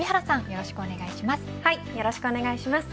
よろしくお願いします。